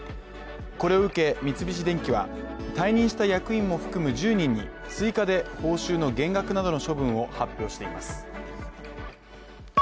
これを受け、三菱電機は退任した役員も含む１０人に追加で報酬の減額などの処分を発表しています。